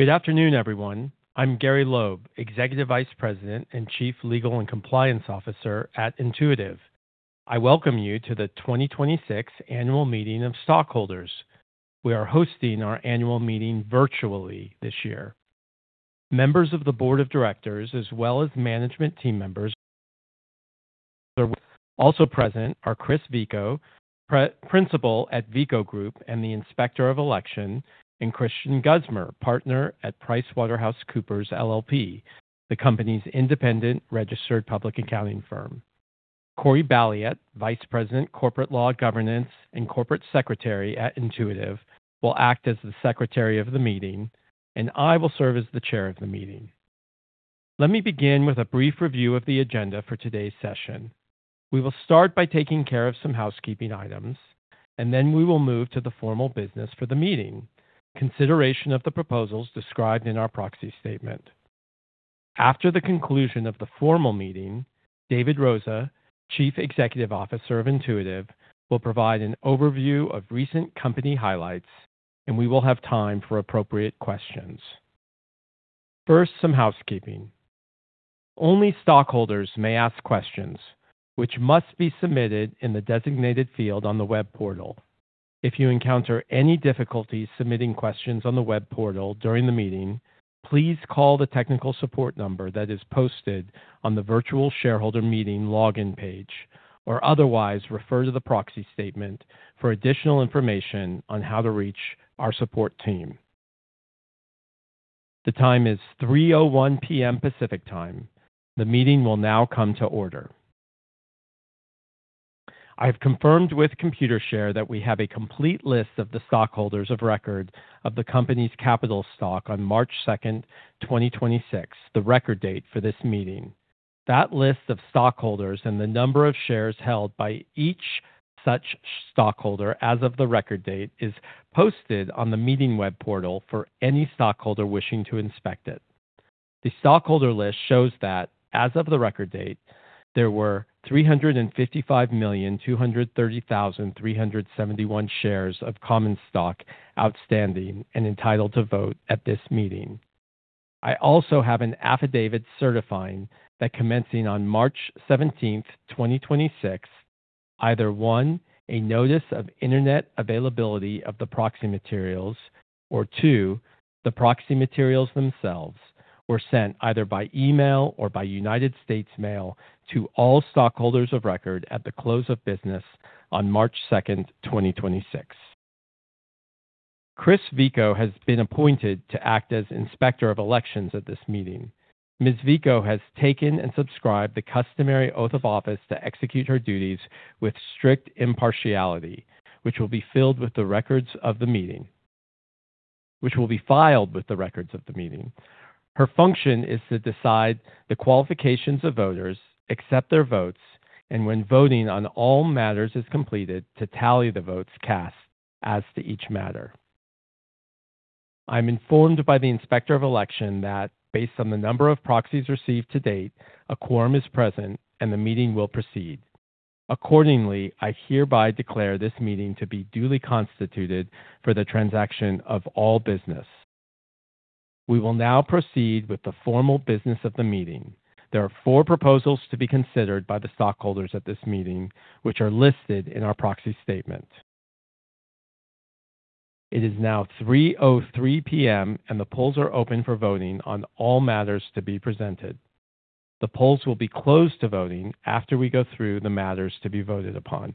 Good afternoon, everyone. I'm Gary Loeb, Executive Vice President and Chief Legal and Compliance Officer at Intuitive. I welcome you to the 2026 Annual Meeting of Stockholders. We are hosting our annual meeting virtually this year. Members of the Board of Directors, as well as management team members are also present are Kris Veal, Principal at Veaco Group and the Inspector of Election, and Kristian Gusmer, Partner at PricewaterhouseCoopers LLP, the company's independent registered public accounting firm. Cory Balliet, Vice President, Corporate Law Governance, and Corporate Secretary at Intuitive, will act as the Secretary of the meeting, and I will serve as the Chair of the meeting. Let me begin with a brief review of the agenda for today's session. We will start by taking care of some housekeeping items. We will move to the formal business for the meeting, consideration of the proposals described in our proxy statement. After the conclusion of the formal meeting, David Rosa, Chief Executive Officer of Intuitive, will provide an overview of recent company highlights. We will have time for appropriate questions. First, some housekeeping. Only stockholders may ask questions, which must be submitted in the designated field on the web portal. If you encounter any difficulties submitting questions on the web portal during the meeting, please call the technical support number that is posted on the virtual shareholder meeting login page or otherwise refer to the proxy statement for additional information on how to reach our support team. The time is 3:01 P.M. Pacific Time. The meeting will now come to order. I have confirmed with Computershare that we have a complete list of the stockholders of record of the company's capital stock on March 2nd, 2026, the record date for this meeting. That list of stockholders and the number of shares held by each such stockholder as of the record date is posted on the meeting web portal for any stockholder wishing to inspect it. The stockholder list shows that as of the record date, there were 355,230,371 shares of common stock outstanding and entitled to vote at this meeting. I also have an affidavit certifying that commencing on March 17, 2026, either, one, a notice of internet availability of the proxy materials, or two, the proxy materials themselves were sent either by email or by United States Mail to all stockholders of record at the close of business on March 2nd, 2026. Kris Veal has been appointed to act as Inspector of Elections at this meeting. Ms. Veaco has taken and subscribed the customary oath of office to execute her duties with strict impartiality, which will be filed with the records of the meeting. Her function is to decide the qualifications of voters, accept their votes, and when voting on all matters is completed, to tally the votes cast as to each matter. I'm informed by the Inspector of Election that based on the number of proxies received to date, a quorum is present and the meeting will proceed. Accordingly, I hereby declare this meeting to be duly constituted for the transaction of all business. We will now proceed with the formal business of the meeting. There are four proposals to be considered by the stockholders at this meeting, which are listed in our proxy statement. It is now 3:03 P.M., and the polls are open for voting on all matters to be presented. The polls will be closed to voting after we go through the matters to be voted upon.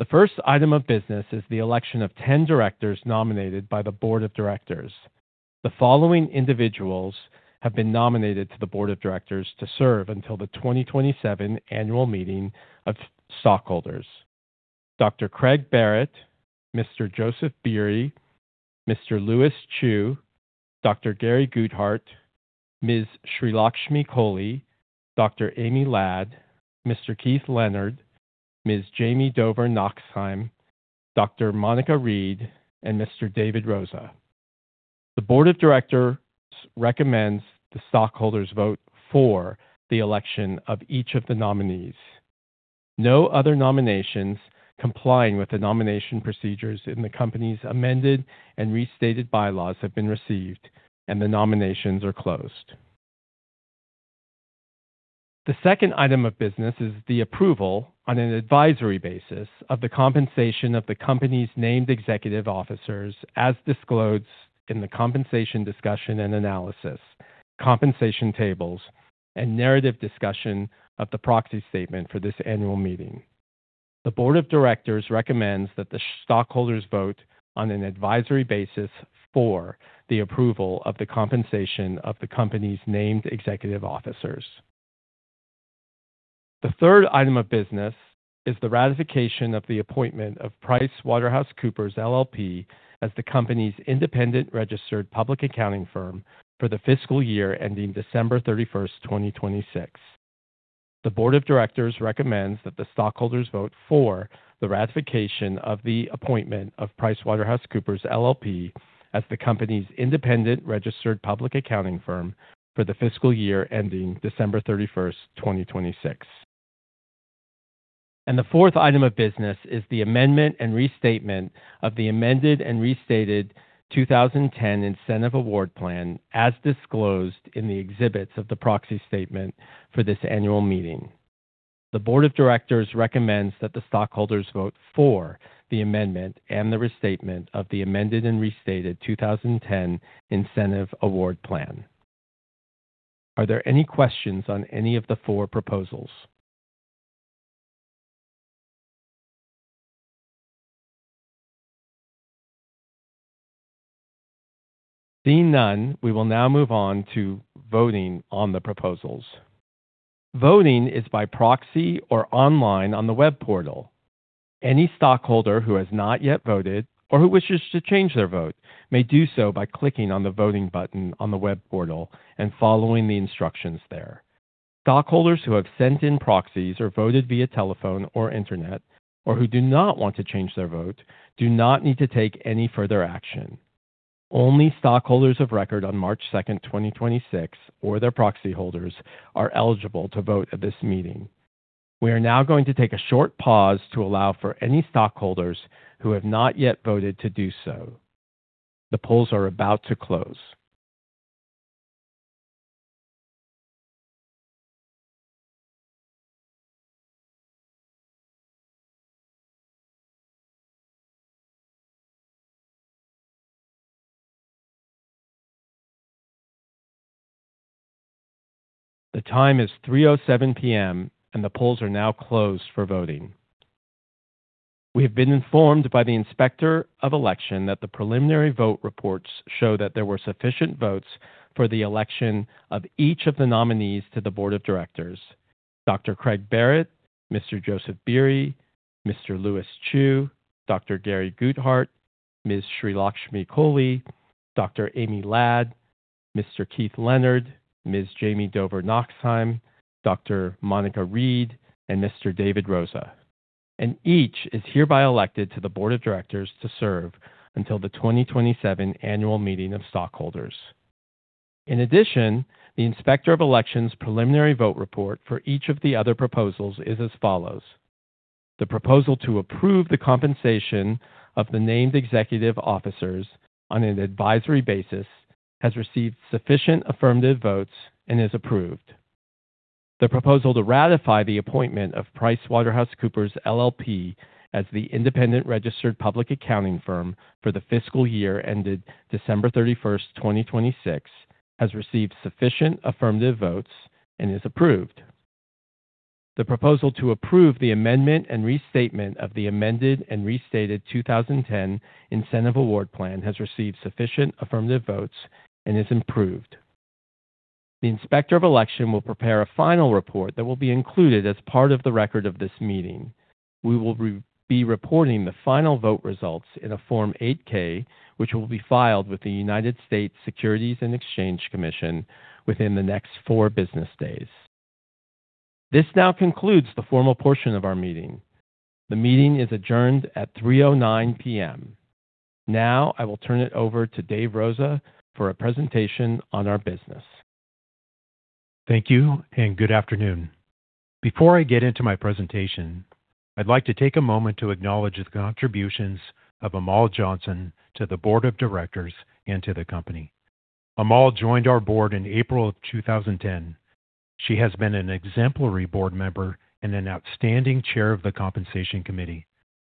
The first item of business is the election of 10 directors nominated by the board of directors. The following individuals have been nominated to the board of directors to serve until the 2027 Annual Meeting of Stockholders. Dr. Craig Barratt, Mr. Joseph Beery, Mr. Lewis Chew, Dr. Gary Guthart, Ms. Sreelakshmi Kolli, Dr. Amy Ladd, Mr. Keith Leonard, Ms. Jami Dover Nachtsheim, Dr. Monica Reed, and Mr. David Rosa. The board of directors recommends the stockholders vote for the election of each of the nominees. No other nominations complying with the nomination procedures in the company's amended and restated bylaws have been received, and the nominations are closed. The second item of business is the approval on an advisory basis of the compensation of the company's named executive officers as disclosed in the compensation discussion and analysis, compensation tables, and narrative discussion of the proxy statement for this annual meeting. The board of directors recommends that the stockholders vote on an advisory basis for the approval of the compensation of the company's named executive officers. The third item of business is the ratification of the appointment of PricewaterhouseCoopers LLP as the company's independent registered public accounting firm for the fiscal year ending December 31st, 2026. The board of directors recommends that the stockholders vote for the ratification of the appointment of PricewaterhouseCoopers LLP as the company's independent registered public accounting firm for the fiscal year ending December 31st, 2026. The fourth item of business is the amendment and restatement of the amended and restated 2010 Incentive Award Plan as disclosed in the exhibits of the proxy statement for this annual meeting. The board of directors recommends that the stockholders vote for the amendment and the restatement of the amended and restated 2010 Incentive Award Plan. Are there any questions on any of the four proposals? Seeing none, we will now move on to voting on the proposals. Voting is by proxy or online on the web portal. Any stockholder who has not yet voted or who wishes to change their vote may do so by clicking on the voting button on the web portal and following the instructions there. Stockholders who have sent in proxies or voted via telephone or internet, or who do not want to change their vote, do not need to take any further action. Only stockholders of record on March 2nd, 2026 or their proxy holders are eligible to vote at this meeting. We are now going to take a short pause to allow for any stockholders who have not yet voted to do so. The polls are about to close. The time is 3:07 P.M., and the polls are now closed for voting. We have been informed by the Inspector of Election that the preliminary vote reports show that there were sufficient votes for the election of each of the nominees to the board of directors, Dr. Craig Barratt, Mr. Joseph Beery, Mr. Lewis Chew, Dr. Gary Guthart, Ms. Sreelakshmi Kolli, Dr. Amy Ladd, Mr. Keith Leonard, Ms. Jamie Dover Nachtsheim, Dr. Monica Reed, and Mr. David Rosa, and each is hereby elected to the board of directors to serve until the 2027 Annual Meeting of Stockholders. In addition, the Inspector of Elections preliminary vote report for each of the other proposals is as follows. The proposal to approve the compensation of the named executive officers on an advisory basis has received sufficient affirmative votes and is approved. The proposal to ratify the appointment of PricewaterhouseCoopers LLP as the independent registered public accounting firm for the fiscal year ended December 31st, 2026 has received sufficient affirmative votes and is approved. The proposal to approve the amendment and restatement of the amended and restated 2010 Incentive Award Plan has received sufficient affirmative votes and is approved. The Inspector of Election will prepare a final report that will be included as part of the record of this meeting. We will be reporting the final vote results in a Form 8-K, which will be filed with the United States Securities and Exchange Commission within the next four business days. This now concludes the formal portion of our meeting. The meeting is adjourned at 3:09 P.M. I will turn it over to Dave Rosa for a presentation on our business. Thank you and good afternoon. Before I get into my presentation, I'd like to take a moment to acknowledge the contributions of Amal Johnson to the board of directors and to the company. Amal joined our board in April of 2010. She has been an exemplary board member and an outstanding Chair of the Compensation Committee,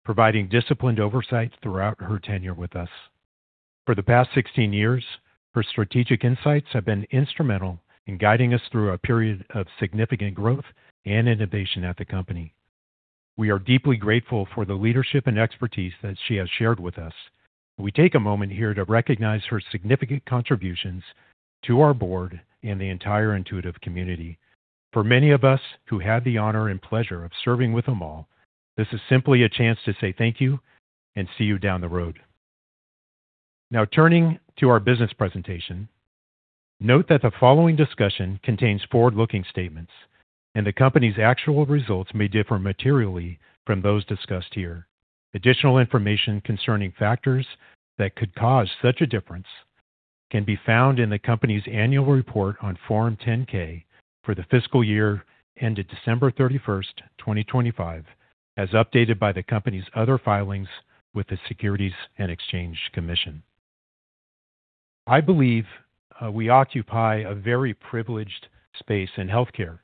providing disciplined oversight throughout her tenure with us. For the past 16 years, her strategic insights have been instrumental in guiding us through a period of significant growth and innovation at the company. We are deeply grateful for the leadership and expertise that she has shared with us. We take a moment here to recognize her significant contributions to our board and the entire Intuitive community. For many of us who had the honor and pleasure of serving with Amal, this is simply a chance to say thank you and see you down the road. Now turning to our business presentation. Note that the following discussion contains forward-looking statements, and the company's actual results may differ materially from those discussed here. Additional information concerning factors that could cause such a difference can be found in the company's annual report on Form 10-K for the fiscal year ended December 31st, 2025, as updated by the company's other filings with the Securities and Exchange Commission. I believe we occupy a very privileged space in healthcare.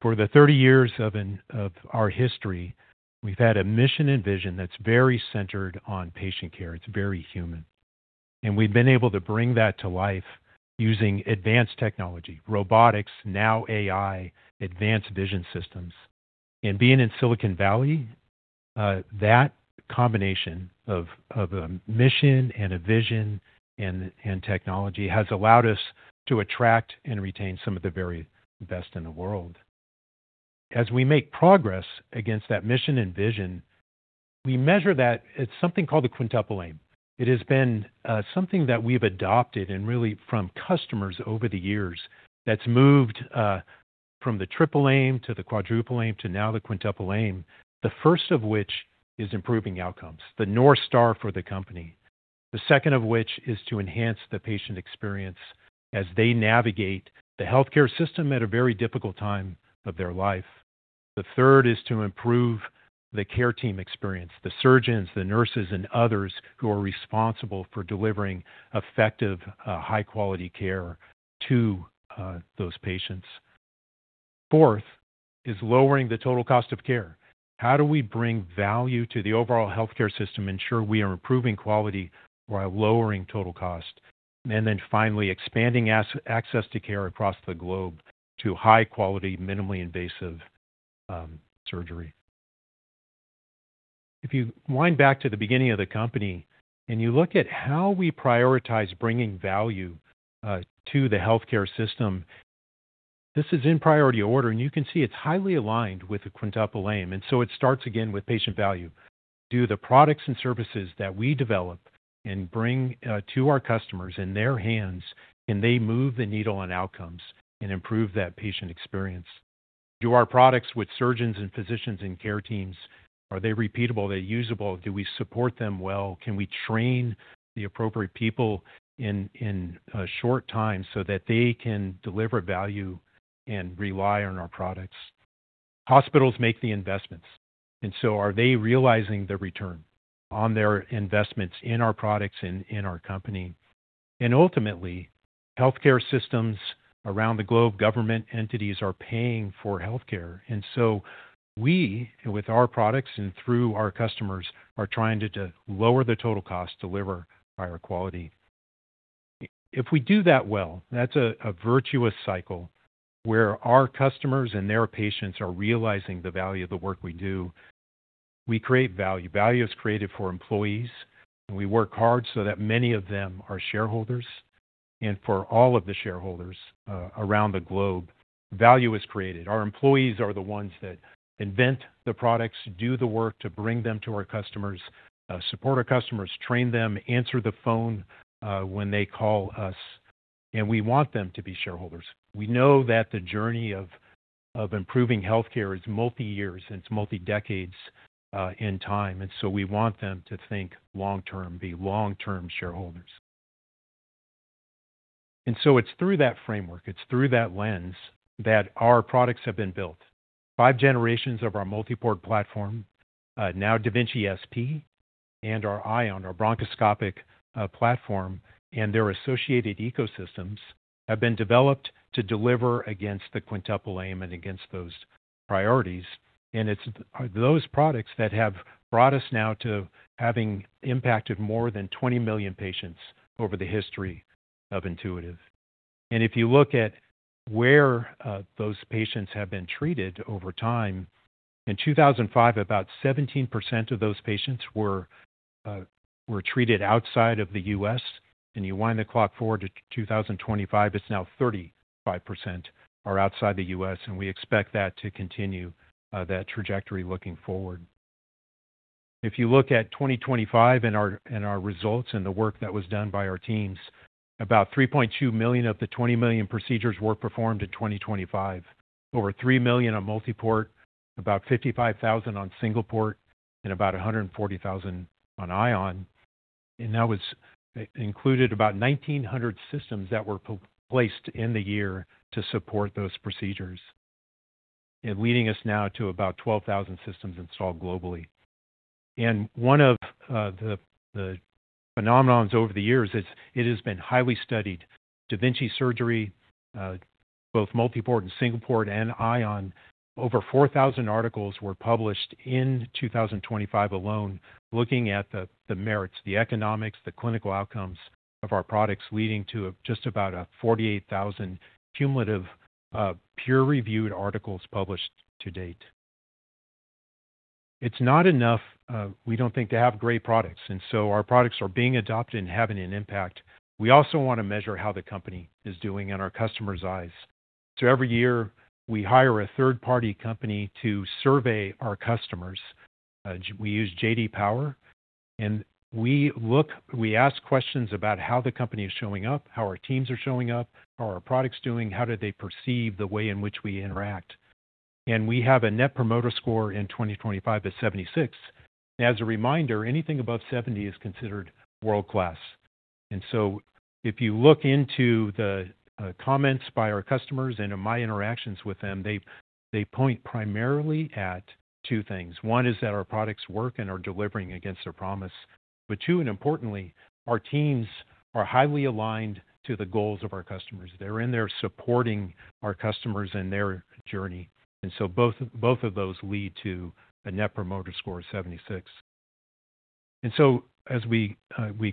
For the 30 years of our history, we've had a mission and vision that's very centered on patient care. It's very human. We've been able to bring that to life using advanced technology, robotics, now AI, advanced vision systems. Being in Silicon Valley, that combination of a mission and a vision and technology has allowed us to attract and retain some of the very best in the world. As we make progress against that mission and vision, we measure that. It's something called the Quintuple Aim. It has been something that we've adopted and really from customers over the years that's moved from the Triple Aim to the Quadruple Aim to now the Quintuple Aim. The first of which is improving outcomes, the North Star for the company. The second of which is to enhance the patient experience as they navigate the healthcare system at a very difficult time of their life. The third is to improve the care team experience, the surgeons, the nurses, and others who are responsible for delivering effective, high-quality care to those patients. Fourth is lowering the total cost of care. How do we bring value to the overall healthcare system, ensure we are improving quality while lowering total cost? Finally, expanding access to care across the globe to high-quality, minimally invasive surgery. If you wind back to the beginning of the company and you look at how we prioritize bringing value to the healthcare system, this is in priority order, and you can see it's highly aligned with the Quintuple Aim. It starts again with patient value. Do the products and services that we develop and bring to our customers in their hands, can they move the needle on outcomes and improve that patient experience? Do our products with surgeons and physicians and care teams, are they repeatable? Are they usable? Do we support them well? Can we train the appropriate people in a short time so that they can deliver value and rely on our products? Hospitals make the investments, are they realizing the return on their investments in our products and in our company? Ultimately, healthcare systems around the globe, government entities are paying for healthcare. We, with our products and through our customers are trying to lower the total cost, deliver higher quality. If we do that well, that's a virtuous cycle where our customers and their patients are realizing the value of the work we do. We create value. Value is created for employees, and we work hard so that many of them are shareholders. For all of the shareholders, around the globe, value is created. Our employees are the ones that invent the products, do the work to bring them to our customers, support our customers, train them, answer the phone when they call us, and we want them to be shareholders. We know that the journey of improving healthcare is multi-years, and it's multi-decades in time. We want them to think long-term, be long-term shareholders. It's through that framework, it's through that lens that our products have been built. Five generations of our multi-port platform, now Da Vinci SP and our Ion, our bronchoscopic platform, and their associated ecosystems have been developed to deliver against the Quintuple Aim and against those priorities. It's those products that have brought us now to having impacted more than 20 million patients over the history of Intuitive. If you look at where those patients have been treated over time, in 2005, about 17% of those patients were treated outside of the U.S. You wind the clock forward to 2025, it's now 35% are outside the U.S., and we expect that to continue that trajectory looking forward. If you look at 2025 and our results and the work that was done by our teams, about 3.2 million of the 20 million procedures were performed in 2025. Over 3 million on multi-port, about 55,000 on single port, and about 140,000 on Ion. That was included about 1,900 systems that were placed in the year to support those procedures, and leading us now to about 12,000 systems installed globally. One of the phenomenons over the years is it has been highly studied. Da Vinci surgery, both multi-port and single port and Ion, over 4,000 articles were published in 2025 alone looking at the merits, the economics, the clinical outcomes of our products, leading to just about a 48,000 cumulative peer-reviewed articles published to date. It's not enough, we don't think, to have great products. Our products are being adopted and having an impact. We also want to measure how the company is doing in our customers' eyes. Every year, we hire a third-party company to survey our customers. We use J.D. Power, we ask questions about how the company is showing up, how our teams are showing up, how are our products doing, how do they perceive the way in which we interact. We have a Net Promoter Score in 2025 is 76. As a reminder, anything above 70 is considered world-class. If you look into the comments by our customers and in my interactions with them, they point primarily at two things. One is that our products work and are delivering against their promise. Two, and importantly, our teams are highly aligned to the goals of our customers. They're in there supporting our customers in their journey. Both of those lead to a Net Promoter Score of 76. As we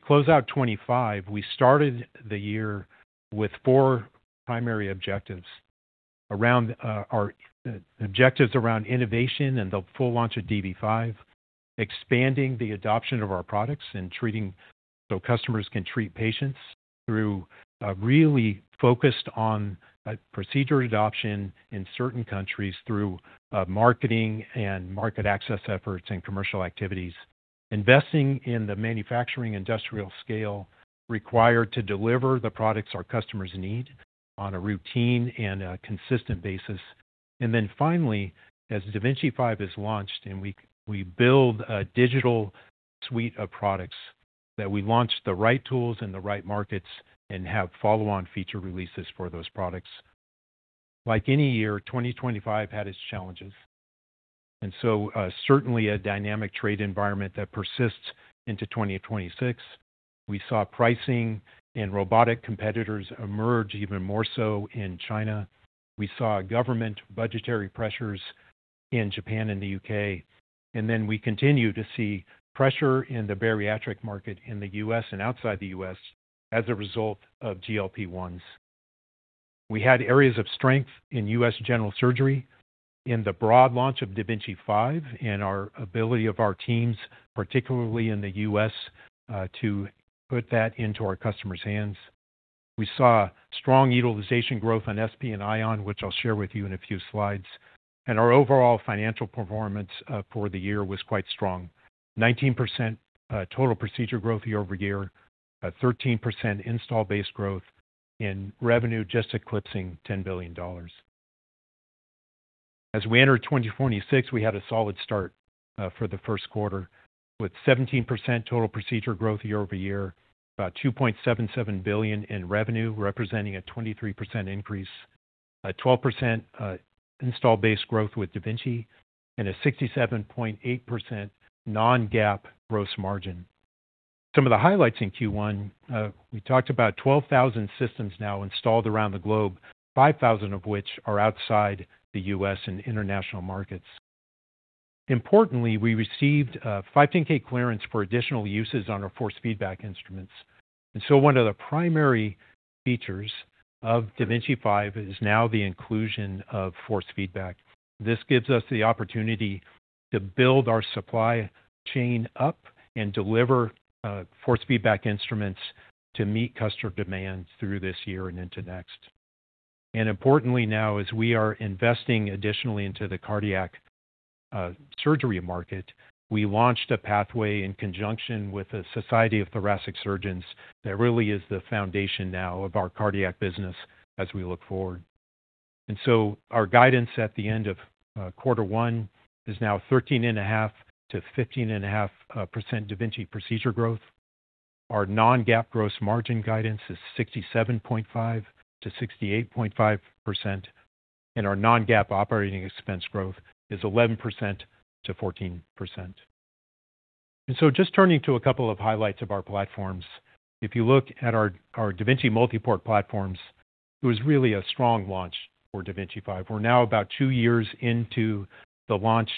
close out 2025, we started the year with four primary objectives around our objectives around innovation and the full launch of dV5, expanding the adoption of our products and treating, so customers can treat patients through really focused on procedure adoption in certain countries through marketing and market access efforts and commercial activities. Investing in the manufacturing industrial scale required to deliver the products our customers need on a routine and a consistent basis. Then finally, as da Vinci 5 is launched and we build a digital suite of products that we launch the right tools in the right markets and have follow-on feature releases for those products. Like any year, 2025 had its challenges, certainly a dynamic trade environment that persists into 2026. We saw pricing and robotic competitors emerge even more so in China. We saw government budgetary pressures in Japan and the U.K. We continue to see pressure in the bariatric market in the U.S. and outside the U.S. as a result of GLP-1s. We had areas of strength in U.S. general surgery in the broad launch of da Vinci 5 and our ability of our teams, particularly in the U.S., to put that into our customers' hands. We saw strong utilization growth on SP and Ion, which I'll share with you in a few slides. Our overall financial performance for the year was quite strong. 19% total procedure growth year-over-year, a 13% install base growth and revenue just eclipsing $10 billion. As we entered 2026, we had a solid start for the first quarter with 17% total procedure growth year-over-year, about $2.77 billion in revenue, representing a 23% increase, a 12% install base growth with Da Vinci, and a 67.8% non-GAAP gross margin. Some of the highlights in Q1, we talked about 12,000 systems now installed around the globe, 5,000 of which are outside the U.S. and international markets. Importantly, we received a 510(k) clearance for additional uses on our Force Feedback instruments. One of the primary features of da Vinci 5 is now the inclusion of Force Feedback. This gives us the opportunity to build our supply chain up and deliver Force Feedback instruments to meet customer demand through this year and into next. Importantly now, as we are investing additionally into the cardiac surgery market, we launched a pathway in conjunction with The Society of Thoracic Surgeons that really is the foundation now of our cardiac business as we look forward. Our guidance at the end of quarter one is now 13.5%-15.5% Da Vinci procedure growth. Our non-GAAP gross margin guidance is 67.5%-68.5%, and our non-GAAP operating expense growth is 11%-14%. Just turning to a couple of highlights of our platforms. If you look at our Da Vinci multi-port platforms, it was really a strong launch for da Vinci 5. We're now about two years into the launch.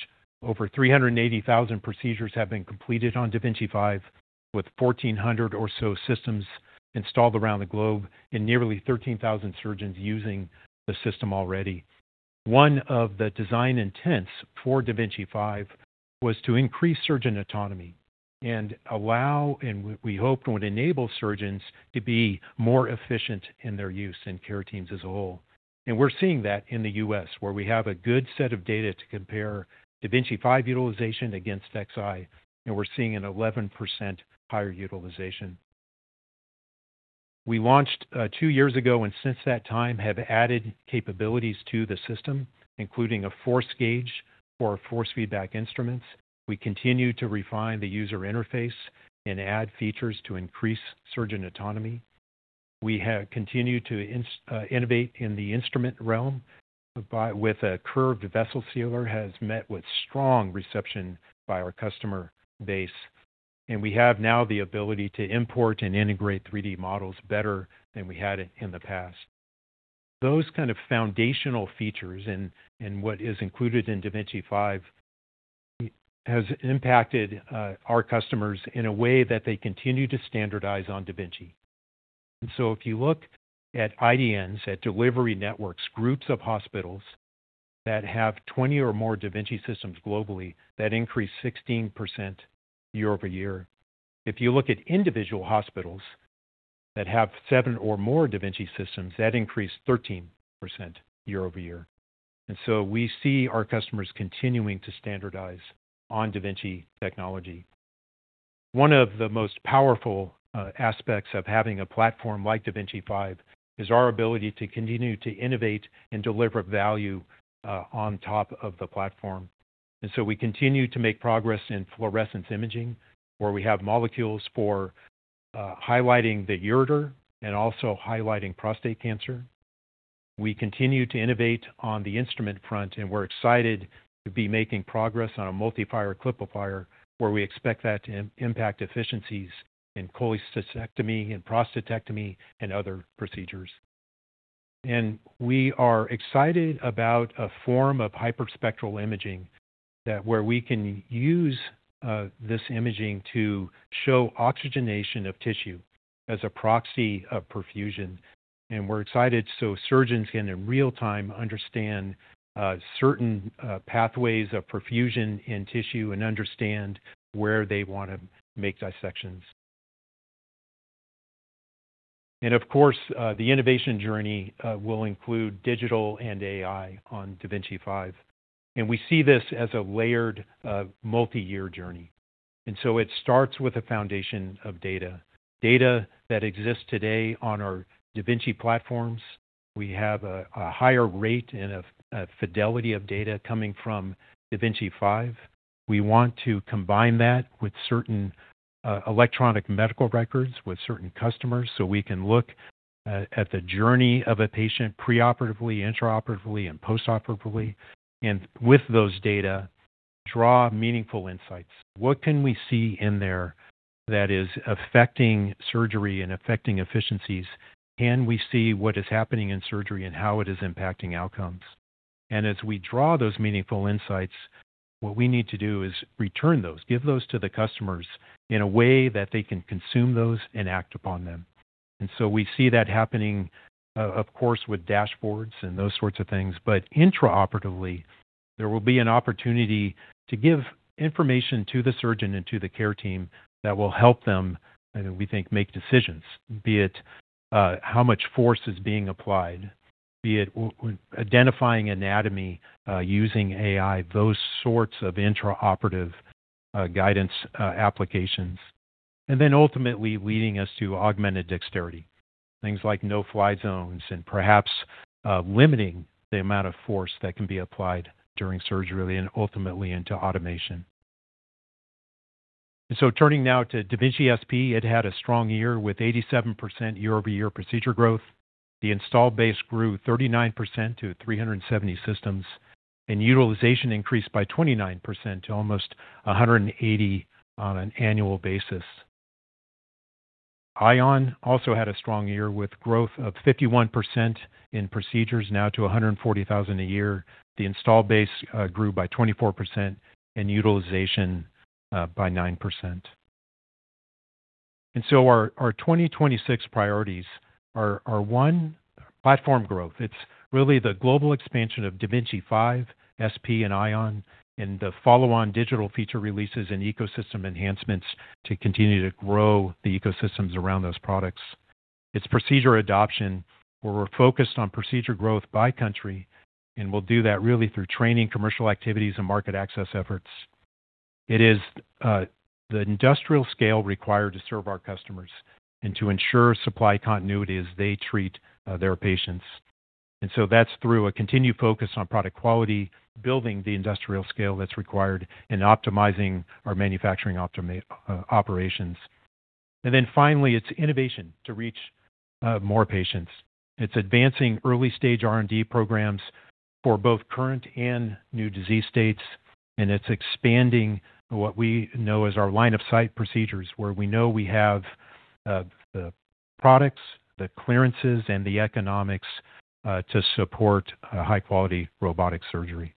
Over 380,000 procedures have been completed on da Vinci 5, with 1,400 or so systems installed around the globe and nearly 13,000 surgeons using the system already. One of the design intents for da Vinci 5 was to increase surgeon autonomy and allow, and we hope would enable surgeons to be more efficient in their use in care teams as a whole. We're seeing that in the U.S., where we have a good set of data to compare da Vinci 5 utilization against Xi, and we're seeing an 11% higher utilization. We launched two years ago and since that time have added capabilities to the system, including a force gauge for our Force Feedback instruments. We continue to refine the user interface and add features to increase surgeon autonomy. We have continued to innovate in the instrument realm by with a Curved Vessel Sealer has met with strong reception by our customer base, and we have now the ability to import and integrate 3D models better than we had it in the past. Those kind of foundational features and what is included in da Vinci 5 has impacted our customers in a way that they continue to standardize on Da Vinci. If you look at IDNs, at delivery networks, groups of hospitals that have 20 or more Da Vinci systems globally, that increased 16% year-over-year. If you look at individual hospitals that have seven or more Da Vinci systems, that increased 13% year-over-year. We see our customers continuing to standardize on Da Vinci technology. One of the most powerful aspects of having a platform like da Vinci 5 is our ability to continue to innovate and deliver value on top of the platform. We continue to make progress in fluorescence imaging, where we have molecules for highlighting the ureter and also highlighting prostate cancer. We continue to innovate on the instrument front, and we're excited to be making progress on a Multi-Fire Clip Applier, where we expect that to impact efficiencies in cholecystectomy and prostatectomy and other procedures. We are excited about a form of hyperspectral imaging that where we can use this imaging to show oxygenation of tissue as a proxy of perfusion. We're excited so surgeons can, in real time, understand certain pathways of perfusion in tissue and understand where they want to make dissections. Of course, the innovation journey will include digital and AI on da Vinci 5. We see this as a layered, multi-year journey. It starts with a foundation of data. Data that exists today on our Da Vinci platforms. We have a higher rate and a fidelity of data coming from da Vinci 5. We want to combine that with certain electronic medical records with certain customers so we can look at the journey of a patient preoperatively, intraoperatively, and postoperatively, and with those data, draw meaningful insights. What can we see in there that is affecting surgery and affecting efficiencies? Can we see what is happening in surgery and how it is impacting outcomes? As we draw those meaningful insights, what we need to do is return those, give those to the customers in a way that they can consume those and act upon them. We see that happening, of course, with dashboards and those sorts of things. Intraoperatively, there will be an opportunity to give information to the surgeon and to the care team that will help them, we think, make decisions. Be it, how much force is being applied, be it when identifying anatomy, using AI, those sorts of intra-operative guidance applications. Ultimately leading us to augmented dexterity. Things like no-fly zones and perhaps limiting the amount of force that can be applied during surgery and ultimately into automation. Turning now to Da Vinci SP, it had a strong year with 87% year-over-year procedure growth. The installed base grew 39% to 370 systems, and utilization increased by 29% to almost 180 on an annual basis. Ion also had a strong year with growth of 51% in procedures, now to 140,000 a year. The installed base grew by 24% and utilization by 9%. Our 2026 priorities are one, platform growth. It's really the global expansion of da Vinci 5, SP, and Ion, and the follow-on digital feature releases and ecosystem enhancements to continue to grow the ecosystems around those products. It's procedure adoption, where we're focused on procedure growth by country, and we'll do that really through training, commercial activities, and market access efforts. It is the industrial scale required to serve our customers and to ensure supply continuity as they treat their patients. That's through a continued focus on product quality, building the industrial scale that's required, and optimizing our manufacturing operations. Finally, it's innovation to reach more patients. It's advancing early-stage R&D programs for both current and new disease states, and it's expanding what we know as our line of sight procedures, where we know we have the products, the clearances, and the economics to support high-quality robotic surgery.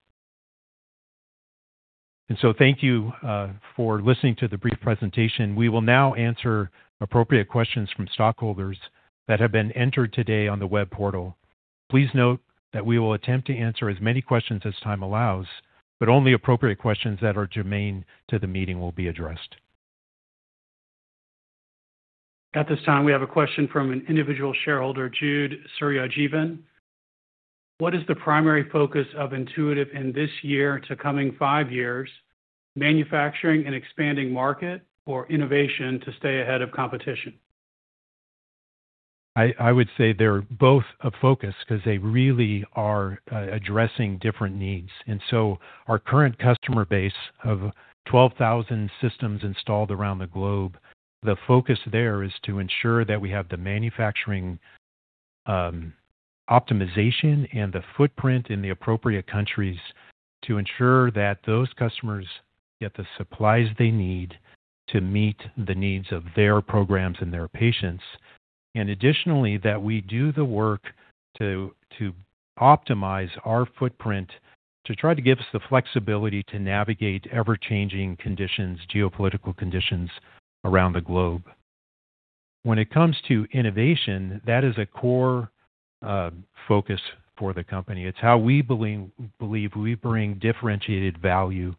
Thank you for listening to the brief presentation. We will now answer appropriate questions from stockholders that have been entered today on the web portal. Please note that we will attempt to answer as many questions as time allows, but only appropriate questions that are germane to the meeting will be addressed. At this time, we have a question from an individual shareholder, Jude Sooriyajeevan. What is the primary focus of Intuitive in this year to coming five years, manufacturing and expanding market or innovation to stay ahead of competition? I would say they're both a focus because they really are addressing different needs. Our current customer base of 12,000 systems installed around the globe, the focus there is to ensure that we have the manufacturing optimization and the footprint in the appropriate countries to ensure that those customers get the supplies they need to meet the needs of their programs and their patients. Additionally, that we do the work to optimize our footprint to try to give us the flexibility to navigate ever-changing conditions, geopolitical conditions around the globe. When it comes to innovation, that is a core focus for the company. It's how we believe we bring differentiated value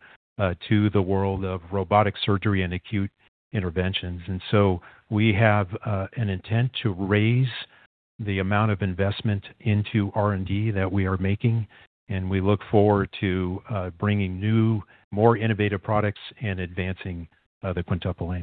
to the world of robotic surgery and acute interventions. We have an intent to raise the amount of investment into R&D that we are making, and we look forward to bringing new, more innovative products and advancing the Quintuple Aim.